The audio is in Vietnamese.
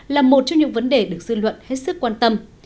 là một trong những vấn đề được dư luận hết sức quan tâm